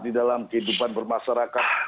di dalam kehidupan bermasyarakat